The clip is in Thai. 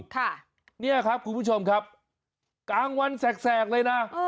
ค่ะเนี่ยครับคุณผู้ชมครับกลางวันแสกแสกเลยนะเออ